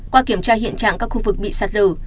qua kiểm tra hiện trạng các khu vực bị sạt lở